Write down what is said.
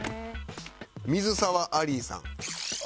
水沢アリーさん。